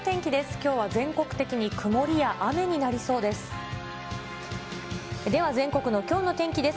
きょうは全国的に曇りや雨になりそうです。